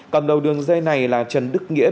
còn đầu đường dây này là trần đức nghĩa